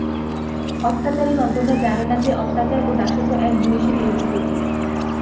অত্যাচারিগণ! তোমরা জান না যে, অত্যাচার ও দাসত্ব এক জিনিষেরই এপিঠ ওপিঠ।